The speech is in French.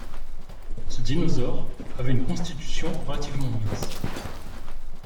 Ce dinosaure avait une constitution relativement mince.